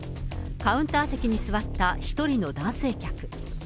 カウンター席に座った１人の男性客。